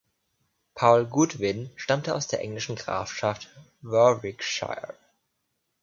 Paul Goodwin stammte aus der englischen Grafschaft Warwickshire.